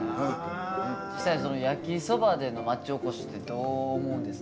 焼きそばでの町おこしってどう思うんですか？